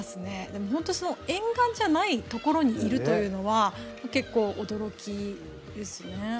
でも、本当に沿岸じゃないところにいるというのは結構驚きですね。